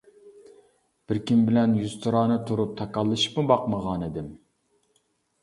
بىر كىم بىلەن يۈزتۇرانە تۇرۇپ تاكاللىشىپمۇ باقمىغانىدىم.